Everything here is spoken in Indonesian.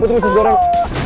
putri sus goreng